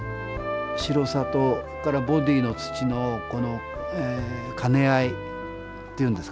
白さとそれからボディーの土の兼ね合いっていうんですかね